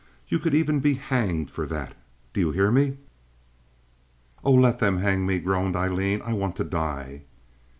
You could even be hanged for that. Do you hear me?" "Oh, let them hang me," groaned Aileen. "I want to die."